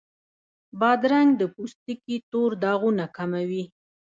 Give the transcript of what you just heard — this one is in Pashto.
بادرنګ د پوستکي تور داغونه کموي.